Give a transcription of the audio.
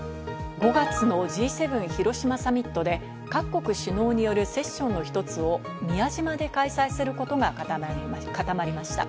５月のＧ７広島サミットで各国首脳によるセッションの一つを宮島で開催することが固まりました。